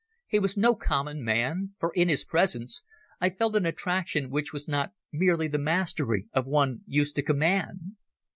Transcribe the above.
He was no common man, for in his presence I felt an attraction which was not merely the mastery of one used to command.